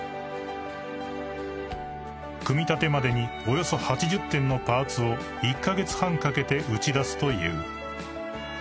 ［組み立てまでにおよそ８０点のパーツを１カ月半かけて打ち出すという］